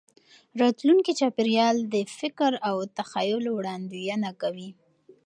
راتلونکي چاپېریال د فکر او تخیل وړاندوینه کوي.